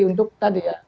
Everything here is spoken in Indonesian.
untuk tadi ya